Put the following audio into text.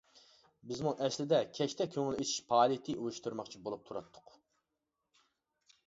بىزمۇ ئەسلىدە كەچتە كۆڭۈل ئېچىش پائالىيىتى ئۇيۇشتۇرماقچى بولۇپ تۇراتتۇق.